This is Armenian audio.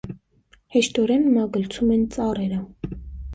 Հեշտորեն մագլցում են ծառերը։